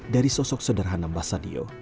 dari sosok sederhana mbah sadio